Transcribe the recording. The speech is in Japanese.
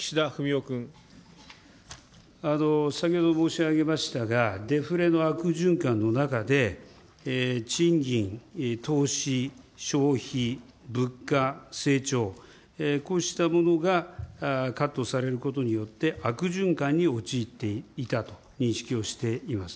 先ほど申し上げましたが、デフレの悪循環の中で、賃金、投資、消費、物価、成長、こうしたものがカットされることによって悪循環に陥っていたと認識をしております。